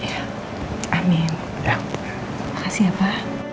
hai amin ya makasih apa